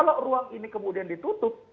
kalau ruang ini kemudian ditutup